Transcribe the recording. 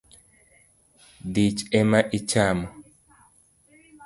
Thich ema ichamo